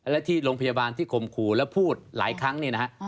และที่โรงพยาบาลที่ข่มขู่แล้วพูดหลายครั้งเนี่ยนะฮะ